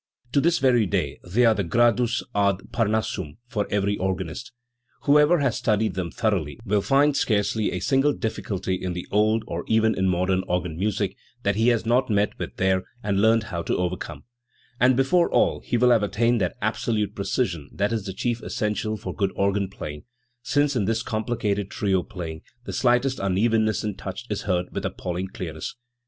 To this very day they are the Gradus ad Parnassum for every organist. Whoever has studied them thoroughly will find scarcely a single difficulty, in the old or even in modern organ music that he has not met with there and learned how to overcome; and before all he will have attained that absolute precision that is the chief essential for good organ playing, since in this complicated trio playing the slightest unevenness in touch is heard with appalling clearness.